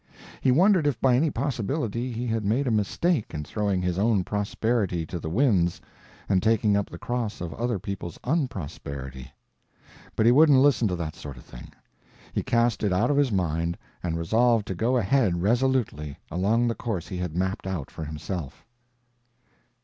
He wondered if by any possibility he had made a mistake in throwing his own prosperity to the winds and taking up the cross of other people's unprosperity. But he wouldn't listen to that sort of thing; he cast it out of his mind and resolved to go ahead resolutely along the course he had mapped out for himself.